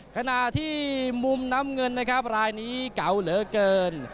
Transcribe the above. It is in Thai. ขณะที่มุมน้ำเงินนะครับรายนี้เก่าเหลือเกิน